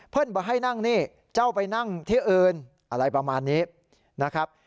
บอกให้นั่งนี่เจ้าไปนั่งที่อื่นอะไรประมาณนี้นะครับ